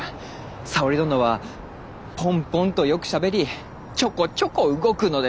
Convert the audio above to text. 沙織殿はぽんぽんとよくしゃべりちょこちょこ動くのでな。